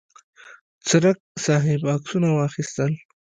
څرک صاحب عکسونه واخیستل.